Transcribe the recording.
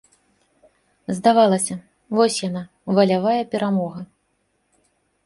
Здавалася, вось яна, валявая перамога.